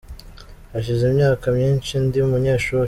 Hashize imyaka myinci ndi umunyeshuri.